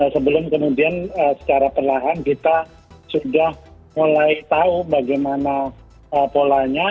sebelum kemudian secara perlahan kita sudah mulai tahu bagaimana polanya